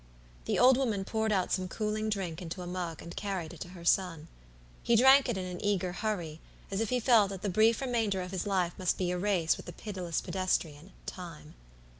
The old woman poured out some cooling drink into a mug, and carried it to her son. He drank it in an eager hurry, as if he felt that the brief remainder of his life must be a race with the pitiless pedestrian, Time.